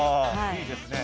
いいですね。